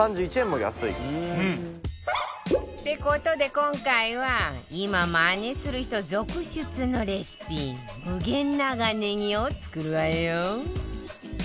って事で今回は今マネする人続出のレシピ無限長ねぎを作るわよ